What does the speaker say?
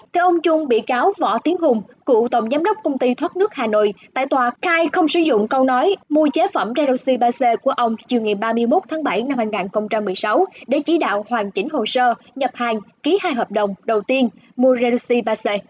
theo ông trung bị cáo võ tiến hùng cựu tổng giám đốc công ty thoát nước hà nội tại tòa khai không sử dụng câu nói mua chế phẩm redoxi ba c của ông chiều ngày ba mươi một tháng bảy năm hai nghìn một mươi sáu để chỉ đạo hoàn chỉnh hồ sơ nhập hàng ký hai hợp đồng đầu tiên moresi ba c